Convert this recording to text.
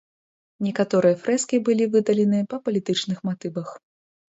Некаторыя фрэскі былі выдаленыя па палітычных матывах.